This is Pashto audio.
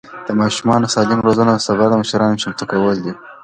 د ماشومانو سالم روزنه د سبا د مشرانو چمتو کول دي.